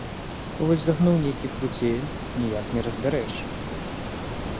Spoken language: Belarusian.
Вось загнуў нейкі круцель, ніяк не разбярэш!